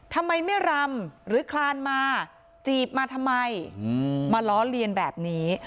ทำไมไม่รำหรือคลานมาจีบมาทำไมมาล้อเลียนแบบนี้